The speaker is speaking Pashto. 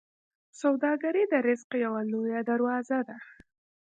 سوداګري د رزق یوه لویه دروازه ده.